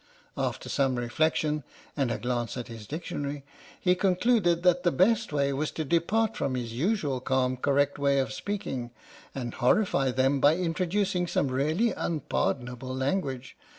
After some reflection, and a glance at his dictionary, he concluded that the best way was to 109 H.M.S. "PINAFORE" depart from his usual calm correct way of speaking, and horrify them by introducing some really unpar donable language.